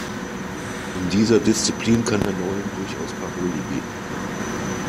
In dieser Disziplin kann der Neuling durchaus Paroli bieten.